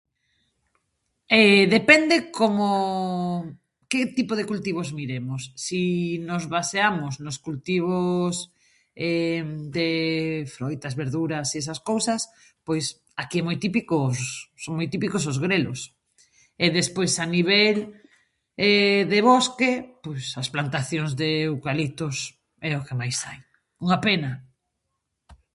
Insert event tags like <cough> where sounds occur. <hesitation> Depende como, que tipo de cultivos miremos, si nos baseamos nos cultivos <hesitation> de froitas, verduras, esas cousas, pois, aquí moi típicos, son moi típicos os grelos, e despois a nivel <hesitation> de bosque, pois as plantacións de eucaliptos é o que máis hai. Unha pena.